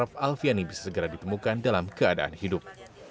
raf alfiani bisa segera ditemukan dalam keadaan hidup